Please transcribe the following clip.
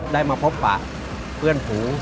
ได้มาพบฝ่าเพื่อนผู้